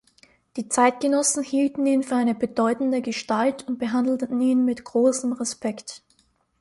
Die Zeitgenossen hielten ihn für eine bedeutende Gestalt und behandelten ihn mit großem Respekt.